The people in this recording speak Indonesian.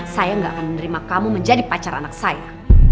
saya gak akan menerima kamu menjadi pacar anak saya